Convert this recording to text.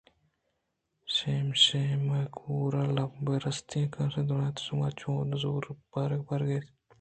شِیشُم ءَ کور ءِ لمب ءِ رُستگیں کاشاں درّائینت شُما چوں نِزور ءُ بارگ بارگ اِت